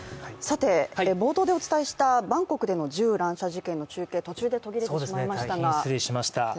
冒頭でお伝えしたバンコクでの銃乱射事件の中継、途中で途切れてしまい大変失礼しました。